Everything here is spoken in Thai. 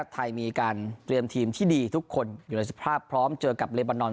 ไทยมีการเตรียมทีมที่ดีทุกคนอยู่ในสภาพพร้อมเจอกับเลบานอน